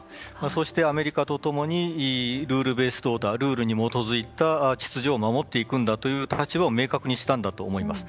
そしてアメリカと共にルールベース、ルールに基づい秩序を守っていくんだという形を明確にしたんだと思います。